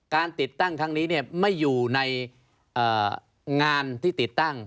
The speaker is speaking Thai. การติดตั้งทั้งนี้เนี่ยไม่อยู่ในงานที่ติดตั้ง